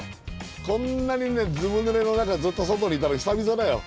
こんなにずぶぬれの中ずっと外にいたの久々だよ。